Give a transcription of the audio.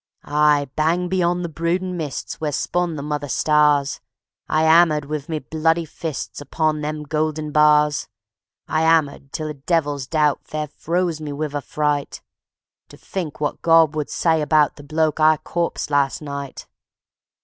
Aye, bang beyond the broodin' mists Where spawn the mother stars, I 'ammered wiv me bloody fists Upon them golden bars; I 'ammered till a devil's doubt Fair froze me wiv affright: To fink wot God would say about The bloke I corpsed last night.